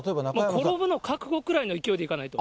転ぶの覚悟くらいの勢いで行かないと。